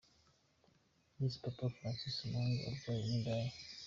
Yise Papa Francis “umuhungu wabyawe n’indaya”.